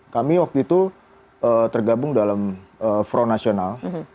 kami waktu itu tergabung dalam front nasional